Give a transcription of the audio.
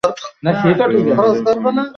প্রভাঞ্জন কর্ণের ছেলে।